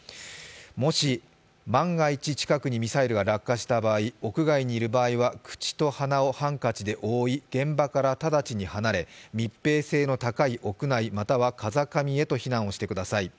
もし、万が一近くにミサイルが落下した場合屋外にいる場合は口と鼻をハンカチで覆い現場からただちに離れ、密閉性の高い屋内、屋内または風上へと避難してください。